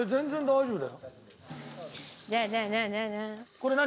これ何？